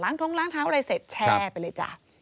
ท้องล้างเท้าอะไรเสร็จแช่ไปเลยจ้ะ